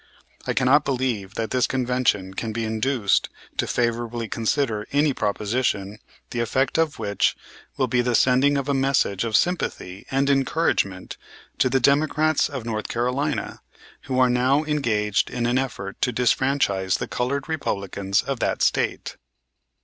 I cannot believe that this convention can be induced to favorably consider any proposition, the effect of which will be the sending of a message of sympathy and encouragement to the Democrats of North Carolina, who are now engaged in an effort to disfranchise the colored Republicans of that State.